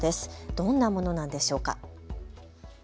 どんなものなんでしょうか。